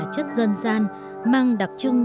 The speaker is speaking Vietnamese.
chất dân gian mang đặc trưng